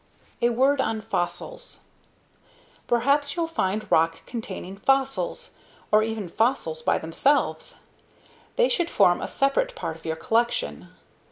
A Word On Fossils Perhaps you'll find rocks containing fossils or even fossils by themselves. They should form a separate part of your collection.